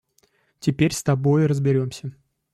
Теперь с тобой разберемся.